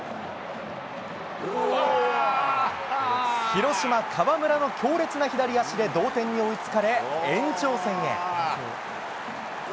広島、川村の強烈な左足で同点に追いつかれ延長戦へ。